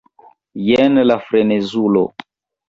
jen la frenezulo!